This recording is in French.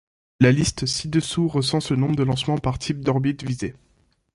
La liste ci-dessous recense le nombre de lancements par type d'orbite visée.